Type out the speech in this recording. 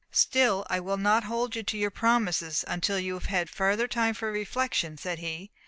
"Still I will not hold you to your promises until you have had further time for reflection," said he.